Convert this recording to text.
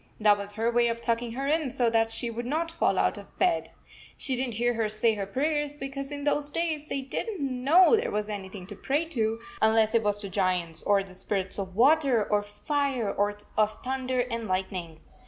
That was her way of tucking her in so that she would not fall out of bed. She didn t hear her say her prayers, because in those days they did n t know there was anything to pray to, unless it was to giants, or the spirits of water or of fire, or of thunder and lightning.